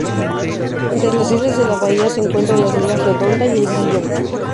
Entre las islas de la bahía se encuentran las islas Redonda y El Grillo.